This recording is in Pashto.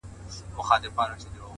د غزلونو لیکل ټوکې نه دي